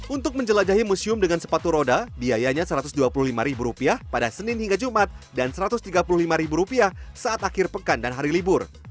untuk menjelajahi museum dengan sepatu roda biayanya rp satu ratus dua puluh lima pada senin hingga jumat dan rp satu ratus tiga puluh lima saat akhir pekan dan hari libur